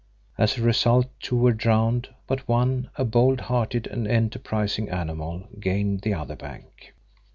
As a result two were drowned, but one, a bold hearted and enterprising animal, gained the other bank.